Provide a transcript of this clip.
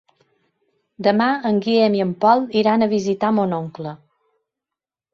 Demà en Guillem i en Pol iran a visitar mon oncle.